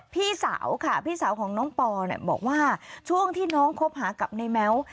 พี่สาวค่ะพี่สาวของน้องปอเนี่ยบอกว่าช่วงที่น้องคบหากับในแม้ว